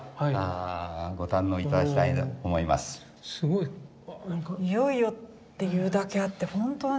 いよいよっていうだけあって本当に。